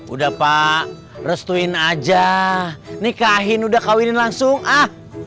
udah pak restuin aja nikahin udah kawinin langsung ah